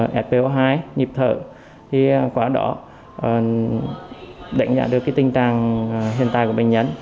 qua phần mềm spo hai nhiệt độ quá đỏ đánh giá được tình trạng hiện tại của bệnh nhân